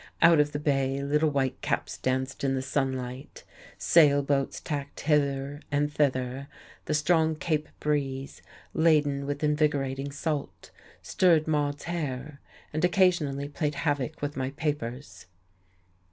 Out on the bay little white caps danced in the sunlight, sail boats tacked hither and thither, the strong cape breeze, laden with invigorating salt, stirred Maude's hair, and occasionally played havoc with my papers.